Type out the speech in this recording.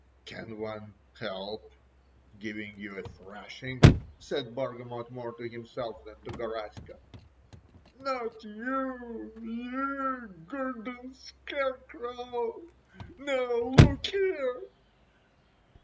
"Can one help giving you a thrashing?" said Bargamot, more to himself than to Garaska. "Not you, you garden scarecrow! Now look "ere."